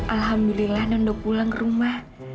alhamdulillah nunda pulang ke rumah